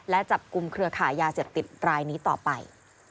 และจับกลุ่มเครือขายยาเสพติดรายนี้ต่อไป